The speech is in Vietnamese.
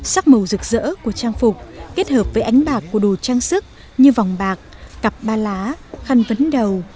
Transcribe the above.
sắc màu rực rỡ của trang phục kết hợp với ánh bạc của đồ trang sức như vòng bạc cặp ba lá khăn vấn đầu